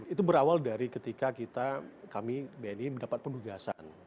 itu berawal dari ketika kita kami bni mendapat penugasan